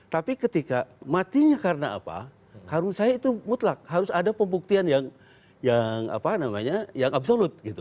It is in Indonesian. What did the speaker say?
tapi ketika matinya karena apa karun saya itu mutlak harus ada pembuktian yang apa namanya yang absolut gitu